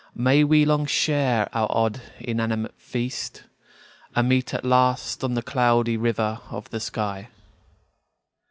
May we long share our odd, inanimate feast, And meet at last on the Cloudy River of the sky.